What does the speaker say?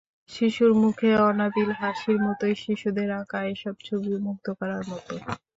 শিশুর মুখের অনাবিল হাসির মতোই শিশুদের আঁকা এসব ছবিও মুগ্ধ করার মতো।